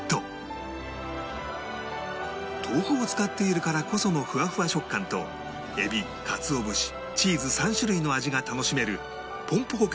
豆腐を使っているからこそのフワフワ食感とエビ鰹節チーズ３種類の味が楽しめるぽんぽ娘